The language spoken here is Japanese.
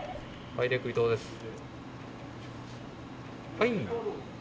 ☎はい。